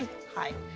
はい。